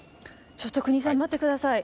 ちょっと国井さん待って下さい。